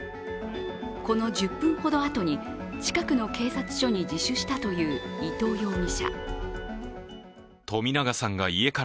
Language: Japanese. この１０分ほどあとに近くの警察署に自首したという伊藤容疑者。